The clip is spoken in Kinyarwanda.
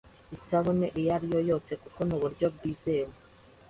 isabune iyo ari yo yose kuko ni uburyo bwizewe